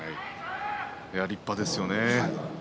立派ですね。